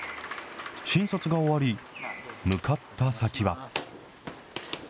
診察が終わり、向かった先は。